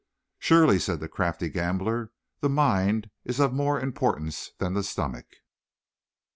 "Surely," said the crafty gambler, "the mind is of more importance than the stomach."